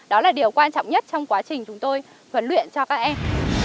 đó là điều quan trọng nhất trong quá trình chúng tôi huấn luyện cho các em